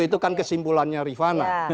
itu kan kesimpulannya rifana